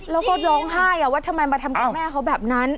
แล้วก็ร้องไห้ว่าทำไมมาทำกับแม่เขาแบบนั้น